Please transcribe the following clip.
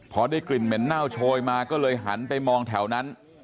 พอได้กลิ่นเหม็นเน่าโชยมาก็เลยหันไปมองแถวนั้น